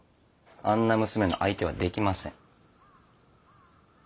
あんな娘の相手はできません。